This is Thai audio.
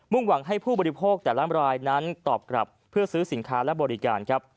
หวังให้ผู้บริโภคแต่ละรายนั้นตอบกลับเพื่อซื้อสินค้าและบริการครับ